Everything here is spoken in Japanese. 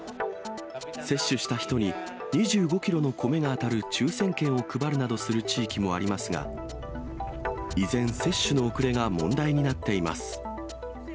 接種した人に、２５キロの米が当たる抽せん券を配るなどする地域もありますが、依然、接種の遅れが問題になっています。